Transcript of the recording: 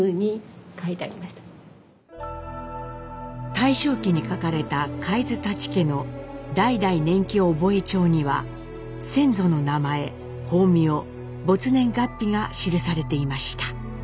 大正期に書かれた海津舘家の「代々年忌覚帳」には先祖の名前法名没年月日が記されていました。